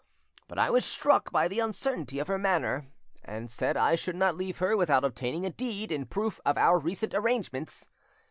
But I was struck by the uncertainty of her manner, and said I should not leave her without obtaining a deed in proof of our recent arrangements.